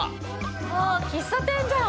あっ、喫茶店じゃん。